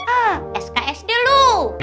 ah sksd lu